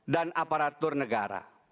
dan aparatur negara